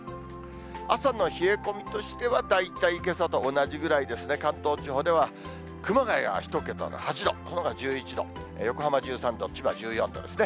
朝の冷え込みとしては、大体けさと同じくらいですね、関東地方では、熊谷は１桁の８度、そのほか１１度、横浜１３度、千葉１４度ですね。